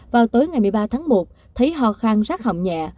vào tối ngày một mươi ba tháng một thấy ho khang rác họng nhẹ